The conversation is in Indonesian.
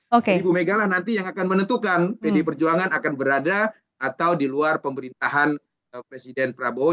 jadi bu mega lah nanti yang akan menentukan pdi perjuangan akan berada atau di luar pemerintahan presiden prabowo